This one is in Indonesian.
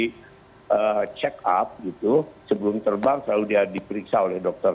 jadi check up gitu sebelum terbang selalu dia diperiksa oleh dokter